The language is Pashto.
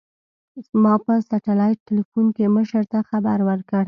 ما په سټلايټ ټېلفون کښې مشر ته خبر ورکړ.